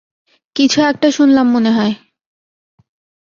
কিছু একটা শুনলাম মনে হয়।